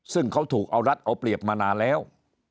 ซึ่งเขาถูกเอารัฐเอาเปรียบมานานแล้ว